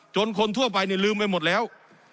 จนคนทั่วไปลืมไปหมดแล้ว